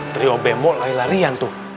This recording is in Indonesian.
trio bembol lari larian tuh